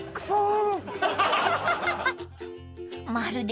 あ！